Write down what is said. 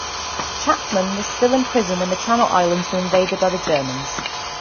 Chapman was still in prison when the Channel Islands were invaded by the Germans.